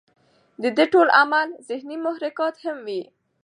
د دې ټول عمل ذهني محرکات هم وي